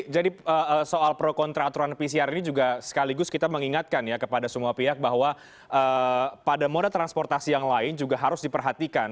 jadi soal prokontraaturan pcr ini juga sekaligus kita mengingatkan ya kepada semua pihak bahwa pada moda transportasi yang lain juga harus diperhatikan